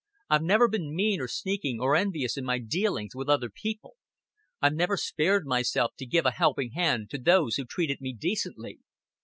I've never bin mean or sneaking or envious in my dealings with other people. I've never spared myself to give a helping hand to those who treated me decently.